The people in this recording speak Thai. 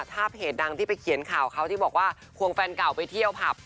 ท่าเพจนั้นที่ไปเขียนข่าวเขาฟื้นหัวของแฟนกล่าวไปเที่ยวภัทร